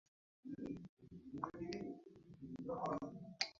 Nzak nduh un aŋayri ko nay kpah mba.